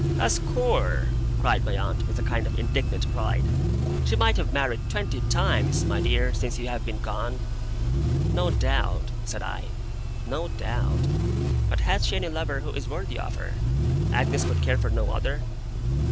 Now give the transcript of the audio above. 'A score,' cried my aunt, with a kind of indignant pride. 'She might have married twenty times, my dear, since you have been gone!' 'No doubt,' said I. 'No doubt. But has she any lover who is worthy of her? Agnes could care for no other.